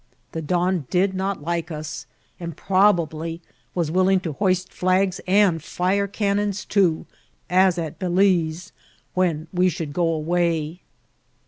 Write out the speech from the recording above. The don did not like us, and probably was willing to hoist flags, and fire cannons too, as at Balize, when we should go away.